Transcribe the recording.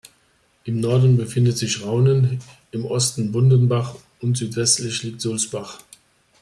Im Norden befindet sich Rhaunen, im Osten Bundenbach und südwestlich liegt Sulzbach.